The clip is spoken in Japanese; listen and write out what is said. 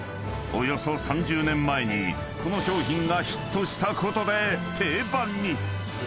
［およそ３０年前にこの商品がヒットしたことで定番に］